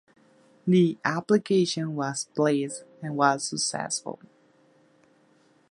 The application was placed and was successful.